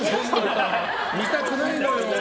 見たくないのよ。